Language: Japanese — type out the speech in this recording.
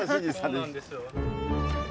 そうなんですよ。